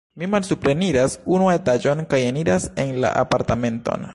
Mi malsupreniras unu etaĝon kaj eniras en la apartamenton.